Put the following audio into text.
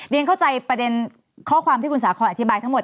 เรียนเข้าใจประเด็นข้อความที่คุณสาคอนอธิบายทั้งหมด